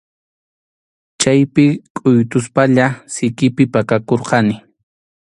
Chaypi kʼuytuspalla sikipi pakakurqani.